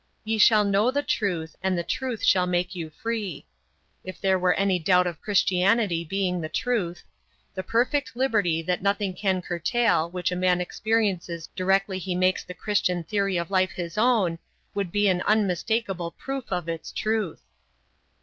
"Ye shall know the truth, and the truth shall make you free." If there were any doubt of Christianity being the truth, the perfect liberty, that nothing can curtail, which a man experiences directly he makes the Christian theory of life his own, would be an unmistakable proof of its truth.